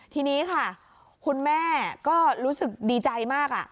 ทีนี้ค่ะคุณแม่ก็รู้สึกดีใจมาก